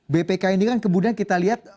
bpk ini kan kemudian kita lihat